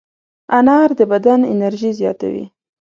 انار د بدن انرژي زیاتوي.